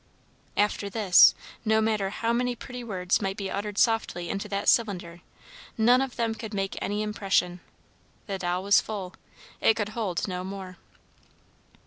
After this, no matter how many pretty words might be uttered softly into that cylinder, none of them could make any impression; the doll was full. It could hold no more.